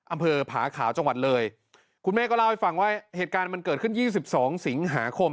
อำเภอผาขาวจังหวัดเลยคุณแม่ก็เล่าให้ฟังว่าเหตุการณ์มันเกิดขึ้นยี่สิบสองสิงหาคม